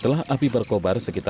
main kembang api ya